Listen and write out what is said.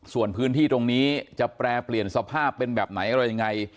ส่วนพื้นที่ตรงนี้จะแปรเปลี่ยนสภาพเป็นแบบไหนอะไรยังไง